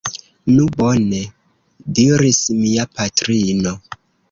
Nu bone, diris mia patrino.